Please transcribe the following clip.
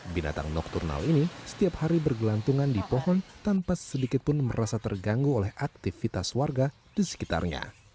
binatang nokturnal ini setiap hari bergelantungan di pohon tanpa sedikit pun merasa terganggu oleh aktivitas warga di sekitarnya